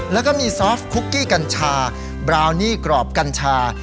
แล้วก็มีซอสคุกกี้กัญชาบราวนี่กรอบกัญชา